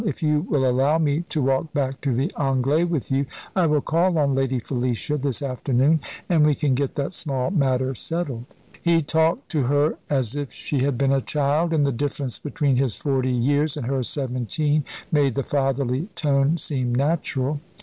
"If you will allow me to walk back to the 'Anglais' with you, I will call on Lady Felicia this afternoon, and we can get that small matter settled." He talked to her as if she had been a child; and the difference between his forty years and her seventeen made the fatherly tone seem natural.